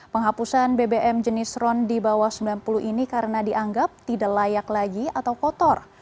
penghapusan bbm jenis ron di bawah sembilan puluh ini karena dianggap tidak layak lagi atau kotor